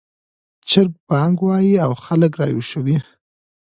چرګ بانګ وايي او خلک راویښوي